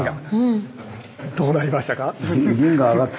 どうなりましたか？